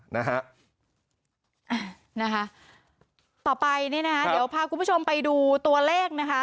นะคะต่อไปนี่นะคะเดี๋ยวพาคุณผู้ชมไปดูตัวเลขนะคะ